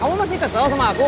kamu masih kesel sama aku